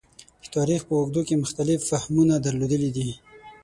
د تاریخ په اوږدو کې مختلف فهمونه درلودلي دي.